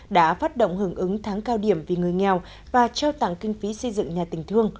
đã phát động hưởng ứng tháng cao điểm vì người nghèo và trao tặng kinh phí xây dựng nhà tình thương